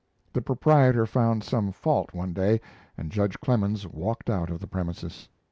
The proprietor found some fault one day, and Judge Clemens walked out of the premises.